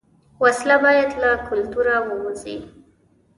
وسله باید له کلتوره ووځي